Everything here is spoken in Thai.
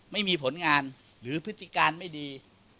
ไม่มีผลงานหรือพฤติการไม่ดี